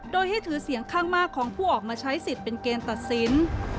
โดยให้ถือเสียงข้างมากของผู้ออกมาใช้สิทธิ์เป็นเกณฑ์ตัดสิน